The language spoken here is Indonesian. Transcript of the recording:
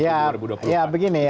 ya begini ya